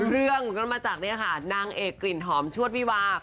เรื่องมาจากนางเอกกลิ่นหอมชรวดวิวาก